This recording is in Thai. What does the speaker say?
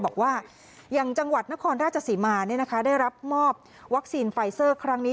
บอกว่าอย่างจังหวัดนครราชสีมาได้รับมอบวัคซีนไฟเซอร์ครั้งนี้